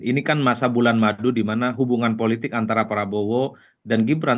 ini kan masa bulan madu di mana hubungan politik antara prabowo dan gibran